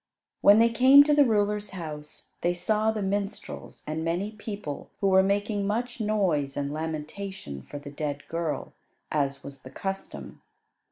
When they came to the ruler's house they saw the minstrels and many people who were making much noise and lamentation for the dead girl, as was the custom.